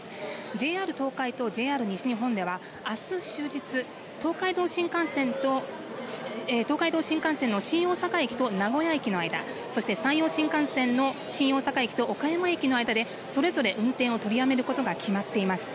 ＪＲ東海とＪＲ西日本ではあす終日、東海道新幹線の新大阪駅と名古屋駅の間、そして山陽新幹線の新大阪駅と岡山駅の間でそれぞれ運転を取りやめることが決まっています。